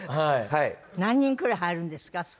何人くらい入るんですか？